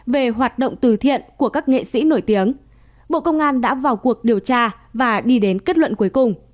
về hoạt động từ thiện của các nghệ sĩ nổi tiếng bộ công an đã vào cuộc điều tra và đi đến kết luận cuối cùng